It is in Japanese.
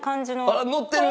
ああっノってる！